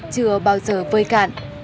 chưa bao giờ vơi cạn